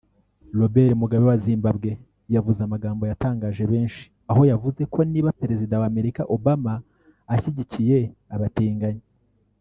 Robert Mugabe wa Zimbabwe yavuze amagambo yatangaje benshi aho yavuze ko niba perezida wa Amerika Obama ashyigikiye abatinganyi